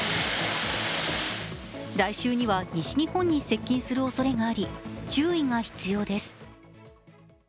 来週には西日本に接近するおそれがあり、注意が必要です。